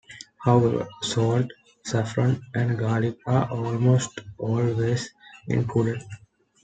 However, salt, saffron and garlic are almost always included.